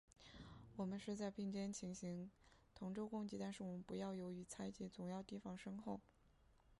我们是在并肩前行，同舟共济，但是我们不要由于猜疑，总要提防身后。